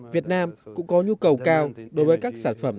việt nam cũng có nhu cầu cao đối với các sản phẩm